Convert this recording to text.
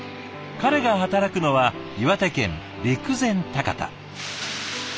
彼が働くのは岩手県陸前高田。